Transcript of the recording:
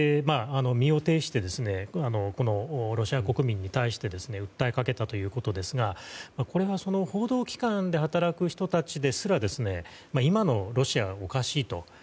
身を挺してロシア国民に対して訴えかけたということですがこれが報道機関で働く人たちですら今のロシアはおかしいと。